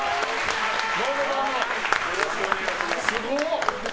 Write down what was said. よろしくお願いします。